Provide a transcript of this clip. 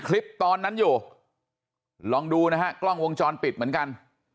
คลิปตอนนั้นอยู่ลองดูนะฮะกล้องวงจรปิดเหมือนกัน